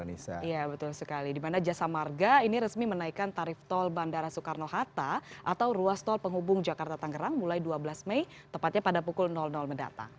iya betul sekali di mana jasa marga ini resmi menaikkan tarif tol bandara soekarno hatta atau ruas tol penghubung jakarta tangerang mulai dua belas mei tepatnya pada pukul mendatang